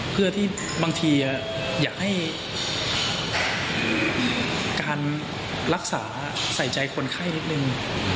เพื่อที่บางทีอยากให้การรักษาใส่ใจคนไข้นิดนึง